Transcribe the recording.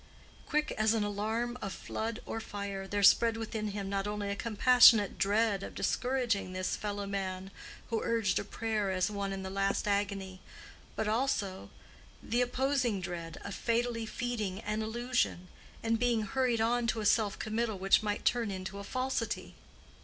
Quick as an alarm of flood or fire, there spread within him not only a compassionate dread of discouraging this fellowman who urged a prayer as one in the last agony, but also the opposing dread of fatally feeding an illusion, and being hurried on to a self committal which might turn into a falsity.